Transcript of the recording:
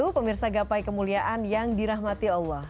pemirsa gapai kemuliaan yang dirahmati allah